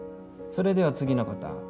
それでは次の方。